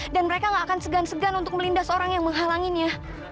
dan mereka gak akan segan segan untuk melindas orang yang menghalanginya